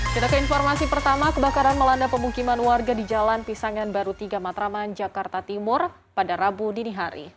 kita ke informasi pertama kebakaran melanda pemukiman warga di jalan pisangan baru tiga matraman jakarta timur pada rabu dini hari